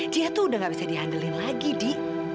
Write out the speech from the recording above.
dia tuh udah gak bisa dihandelin lagi di